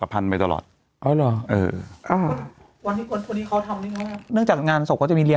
ผ่าออกมาเป็นแบบนี้